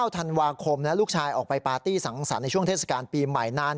ธันวาคมลูกชายออกไปปาร์ตี้สังสรรค์ในช่วงเทศกาลปีใหม่นาน